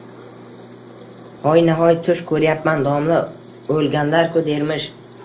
Hoynahoy tush ko‘ryapman, domla o‘lganlar-ku, dermish.